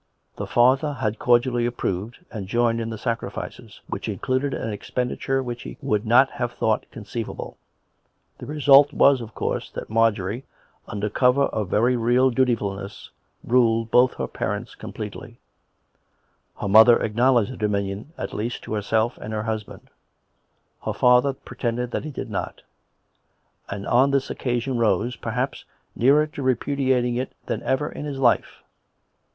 The father had cordially approved, and joined in the sacrifices, which in cluded an expenditure which he would not have thought conceivable. The result was, of course, that Marjorie, under cover of a very real dutifulness, ruled both her parents completely; her mother acknowledged the domin ion, at leastj to herself and her husband; her father pre COME RACK! COME ROPE! 77 tended that he did not; and on this occasion rose, perhaps, nearer to repudiating it than ever in his life.